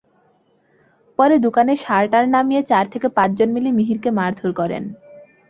পরে দোকানের শার্টার নামিয়ে চার থেকে পাঁচজন মিলে মিহিরকে মারধর করেন।